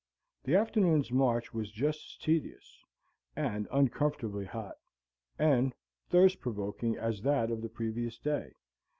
The afternoon's march was just as tedious, and uncomfortably hot, and thirst provoking as that of the previous day.